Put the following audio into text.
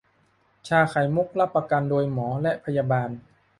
ชาไข่มุก รับประกันโดยหมอและพยาบาล